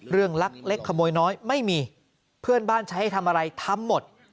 ลักเล็กขโมยน้อยไม่มีเพื่อนบ้านใช้ให้ทำอะไรทำหมด